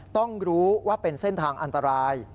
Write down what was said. ต้องรู้ว่าเป็นเส้นทางอันตราย